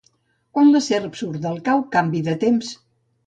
Quan la serp surt del cau, canvi de temps.